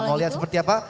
mau lihat seperti apa